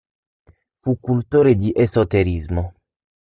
Fu cultore di esoterismo.